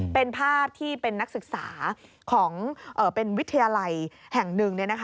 เป็นภาพที่เป็นนักศึกษาของเป็นวิทยาลัยแห่งหนึ่ง